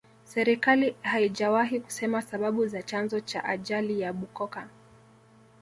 serikali haijawahi kusema sababu za chanzo cha ajali ya bukoka